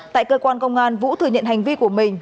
tại cơ quan công an vũ thừa nhận hành vi của mình